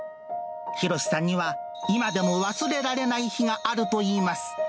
博さんには今でも忘れられない日があるといいます。